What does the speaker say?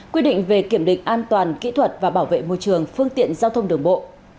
quy định về kiểm định an toàn kỹ thuật và bảo vệ môi trường phương tiện giao thông đường bộ